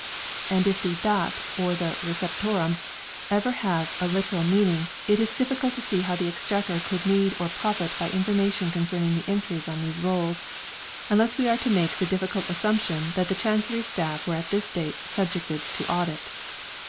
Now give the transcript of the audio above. * And if the " dat" or the " Receptorum " ever have a literal mean ing it is difficult to see how the Exchequer could need or profit by information concerning the entries on these rolls ; unless we are to make the difficult as sumption that the Chancery staff were at this date subjected to audit.